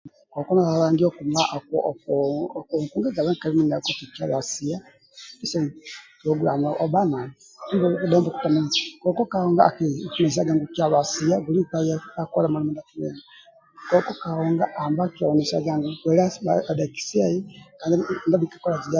Koko nalangi akuma okuma nkali mindiako ovha naue koko ka onga akianisaga eti kyalo adhaki siai buli nkpa aya akola mulimo ndiaki koko ka onga akianisaga bwile asia adhaki siai kandi